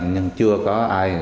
nhưng chưa có ai